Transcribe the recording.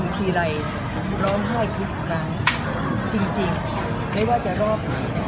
เมื่อเรารอดูเราชอบ